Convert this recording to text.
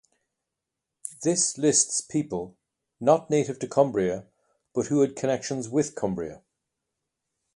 This lists people not native to Cumbria but who had connections with Cumbria.